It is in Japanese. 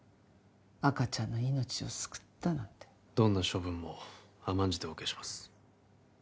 赤ちゃんの命を救ったなんてどんな処分も甘んじてお受けします